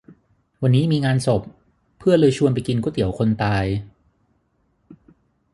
วันนี้มีงานศพ เพื่อนเลยชวนไปกินก๋วยเตี๋ยวคนตาย